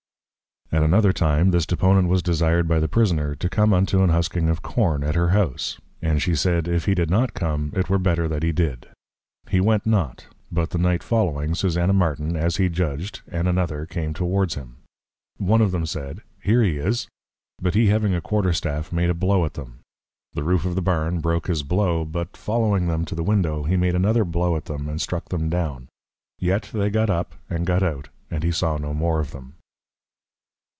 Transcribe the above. At another time this Deponent was desired by the Prisoner, to come unto an Husking of Corn, at her House; and she said, If he did not come, it were better that he did! He went not; but the Night following, Susanna Martin, as he judged, and another came towards him. One of them said, Here he is! but he having a Quarter staff, made a Blow at them. The Roof of the Barn, broke his Blow; but following them to the Window, he made another Blow at them, and struck them down; yet they got up, and got out, and he saw no more of them.